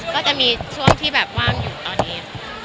ก็จะมีช่วงที่แบบว่างอยู่ตอนนี้